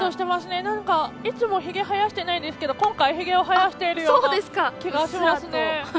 いつもひげ生やしてないんですが今回ひげを生やしているような気がしますね。